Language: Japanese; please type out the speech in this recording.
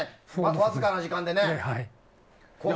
わずかな時間でね。